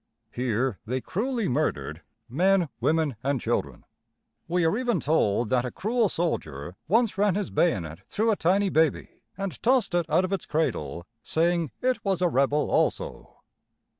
Here they cruelly murdered men, women, and children. We are even told that a cruel soldier once ran his bayonet through a tiny baby, and tossed it out of its cradle, saying it was a rebel also!